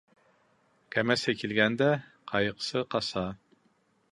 Кәмәсе килгәндә ҡайыҡсы ҡаса.